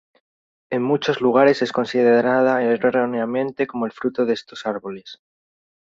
En muchos lugares es considerada erróneamente como el fruto de estos árboles.